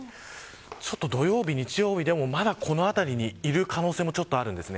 ちょっと、土曜日、日曜日でもまだこの辺りにいる可能性もあります。